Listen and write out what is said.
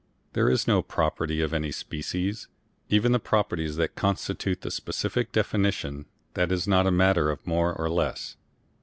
There is no property of any species, even the properties that constitute the specific definition, that is not a matter of more or less.